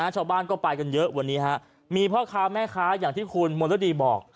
ชาวบ้านก็ไปกันเยอะวันนี้ฮะมีพ่อค้าแม่ค้าอย่างที่คุณมณฤดีบอก